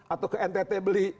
atau ke ntt beli